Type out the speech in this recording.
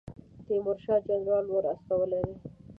تیمورشاه جنرال ور استولی دی.